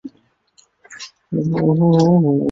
所属相扑部屋为武藏川部屋。